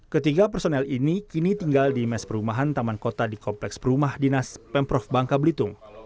ketiga personel ini kini tinggal di mes perumahan taman kota di kompleks perumah dinas pemprov bangka belitung